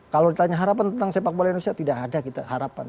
kalau ditanya harapan tentang sepak bola indonesia tidak ada kita harapan